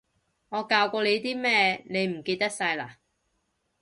我教過你啲咩，你唔記得晒嘞？